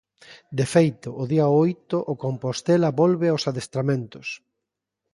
De feito, o día oito o Compostela volve aos adestramentos.